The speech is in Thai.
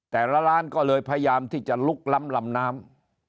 แต่ละร้านก็เลยพยายามที่จะลุกล้ำลำน้ำ